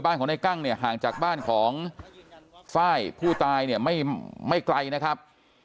บ้านของนายกั้งห่างจากบ้านของสร้ายผู้ตายไม่ไกลนะครับ